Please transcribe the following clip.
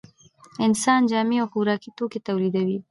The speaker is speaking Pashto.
انسان جامې او خوراکي توکي تولیدوي